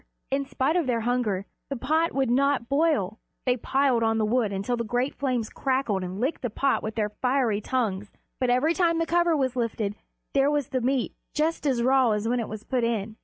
In spite of their hunger, the pot would not boil. They piled on the wood until the great flames crackled and licked the pot with their fiery tongues, but every time the cover was lifted there was the meat just as raw as when it was put in.